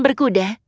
dan tidak didamati